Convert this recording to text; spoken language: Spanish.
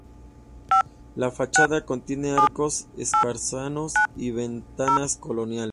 La fachada contiene arcos escarzanos y ventanas coloniales.